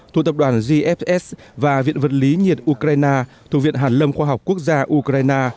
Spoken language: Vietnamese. thủ tập đoàn gfs và viện vật lý nhiệt ukraine thủ viện hàn lâm khoa học quốc gia ukraine